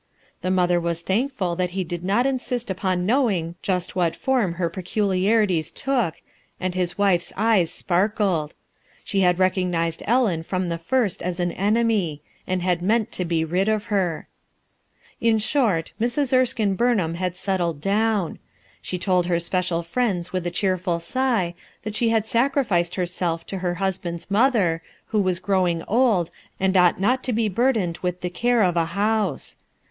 His mother was thankful that he did not insist upon knowing just what form her peculiarities took* and his wife's eyes sparkled. She had recognized Ellen from the first as an enemy, and had meant to he rid of her, In short, Mrs. Erskine Burnham had settled down. She told her special friends with a cheerful sigh that she had sacrificed herself to her husband's mother, who was growing old and ought not to be burdened with the care of a house.